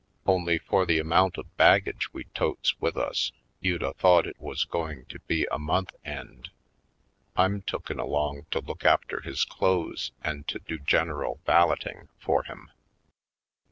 Only, for the amount of baggage we totes with us you'd a thought it was going to be a month end. I'm tooken along to look after his clothes and to do general valetting for him.